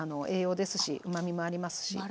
栄養ですしうまみもありますし。